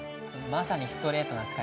まさにストレートな使い方。